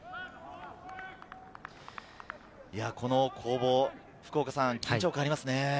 この攻防、緊張感がありますね。